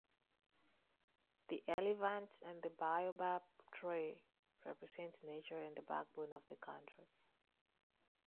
The elephant and the baobab tree represent nature and the backbone of the country.